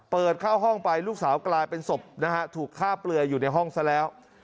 เปิดเข้าห้องไปลูกสาวกลายเป็นศพนะฮะถูกฆ่าเปลือยอยู่ในห้องซะแล้ว